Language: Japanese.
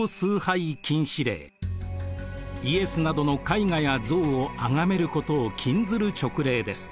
イエスなどの絵画や像をあがめることを禁ずる勅令です。